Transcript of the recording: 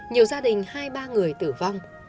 nhiều gia đình hai ba người tử vong